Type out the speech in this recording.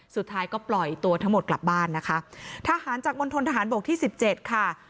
สุดท้ายก็ปล่อยตัวทั้งหมดกลับบ้านนะคะทหารจากมณฑนทหารบกที่สิบเจ็ดค่ะ